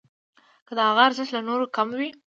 که د هغه ارزښت له نورو کم وي.